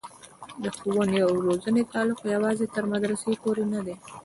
د ښوونې او روزنې تعلق یوازې تر مدرسې پورې نه دی.